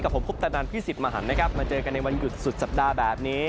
กับผมคุณตานทานพี่สิทธิ์มหันต์มาเจอกันในวันหยุดสุดสัปดาห์แบบนี้